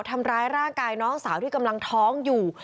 ทำร้ายร่างกายน้องสาวที่กำลังท้องอยู่